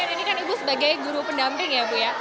ini kan ibu sebagai guru pendamping ya bu ya